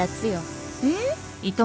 えっ？